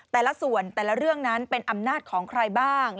แต่ละส่วนแต่ละเรื่องนั้นเป็นอำนาจของใครบ้าง